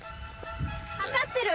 かかってる。